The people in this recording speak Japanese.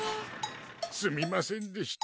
すみませんでした。